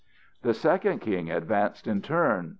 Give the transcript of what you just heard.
The second king advanced in turn.